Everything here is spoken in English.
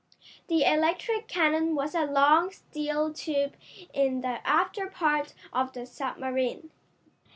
The electric cannon was a long, steel tube in the after part of the submarine.